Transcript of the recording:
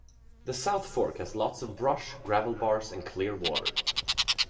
The South Fork has lots of brush, gravel bars, and clear water.